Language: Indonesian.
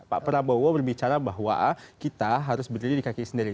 pak prabowo berbicara bahwa kita harus berdiri di kaki sendiri